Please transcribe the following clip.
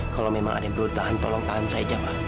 kalau memang ada yang perlu ditahan tolong tahan saya jamaah